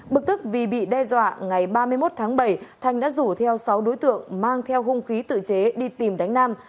bực tức vì bị đe dọa ngày ba mươi một tháng bảy thành đã rủ theo sáu đối tượng mang theo hung khí tự chế đi tìm đánh nam